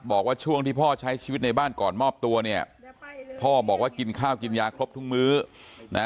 บอกว่าช่วงที่พ่อใช้ชีวิตในบ้านก่อนมอบตัวเนี่ยพ่อบอกว่ากินข้าวกินยาครบทุกมื้อนะ